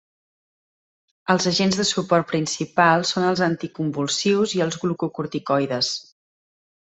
Els agents de suport principals són els anticonvulsius i els glucocorticoides.